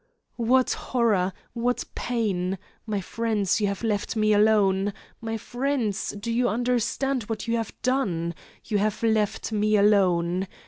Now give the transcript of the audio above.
"What horror! What pain! My friends, you have left me alone! My friends, do you understand what you have done? You have left me alone.